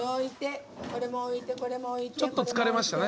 ちょっと疲れましたね。